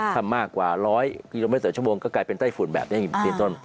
ถ้ามากกว่า๑๐๐กิโลเมตรต่อชั่วโมงก็กลายเป็นไต้ฝุ่นแบบนี้เป็นต้น